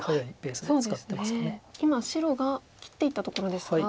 今白が切っていったところですが。